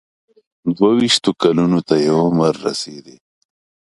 دوه ویشتو کلونو ته یې عمر رسېدی.